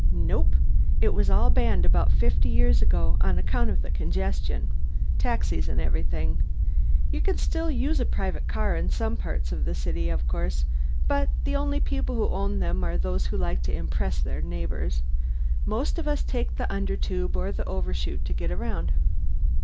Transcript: "Nope. It was all banned about fifty years ago, on account of the congestion. Taxis and everything. You can still use a private car in some parts of the city, of course, but the only people who own them are those who like to impress their neighbors. Most of us take the Undertube or the Overshoot to get around."